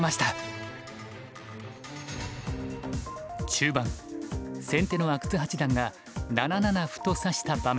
中盤先手の阿久津八段が７七歩と指した場面。